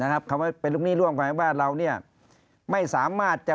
คำว่าเป็นลูกหนี้ร่วมหมายถึงว่าเรา